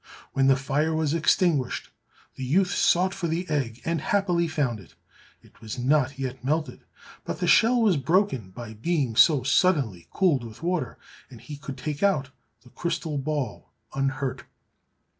When the fire was extinguished, the youth sought for the egg and happily found it; it was not yet melted, but the shell was broken by being so suddenly cooled with the water, and he could take out the crystal ball unhurt.